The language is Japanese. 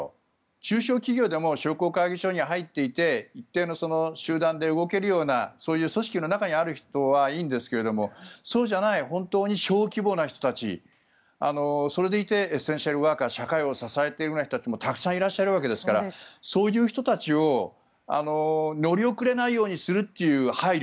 中小企業でも商工会議所に入っていて一定の集団で動けるようなそういう組織の中にある人はいいんですけれどもそうじゃない本当に小規模な人たちそれでいてエッセンシャルワーカー社会を支えているような人たちもたくさんいるわけですからそういう人たちを乗り遅れないようにするという配慮